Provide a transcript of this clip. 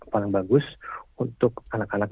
paling bagus untuk anak anak